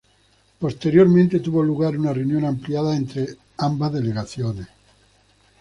Posteriormente, tuvo lugar una reunión ampliada entre ambas delegaciones.